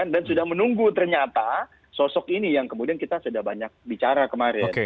dan sudah menunggu ternyata sosok ini yang kemudian kita sudah banyak bicara kemarin